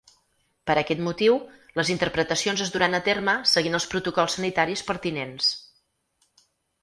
Per aquest motiu, les interpretacions es duran a terme seguint els protocols sanitaris pertinents.